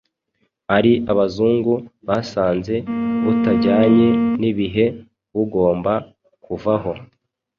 ari Abazungu, basanze butajyanye n'ibihe, bugomba kuvaho.